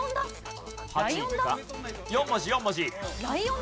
４文字４文字。